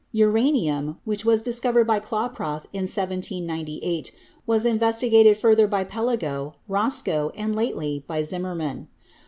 Uranium, which was discovered by Klaproth in 1798, was investigated further by Peligot, Roscoe and, lately, by Zimmermann.